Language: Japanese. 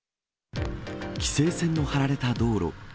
規制線の張られた道路。